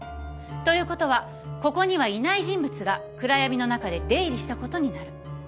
ということはここにはいない人物が暗闇の中で出入りしたことになる。